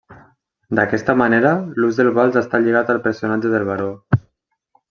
D'aquesta manera, l'ús del vals està lligat al personatge del baró.